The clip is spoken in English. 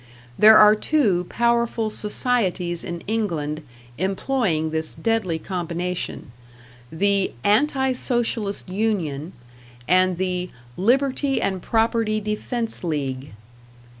There are two powerful societies in England employing this deadly combination the "Anti Socialist Union" and the "Liberty and Property Defense League."